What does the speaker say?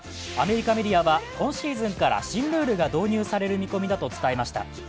アメリカメディアは今シーズンから新ルールが導入される見込みだと伝えました。